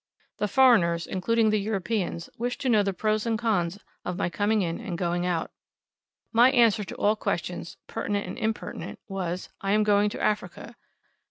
The foreigners, including the Europeans, wished to know the pros and cons of my coming in and going out. My answer to all questions, pertinent and impertinent, was, I am going to Africa.